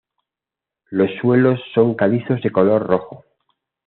Los suelos son calizos de color rojo.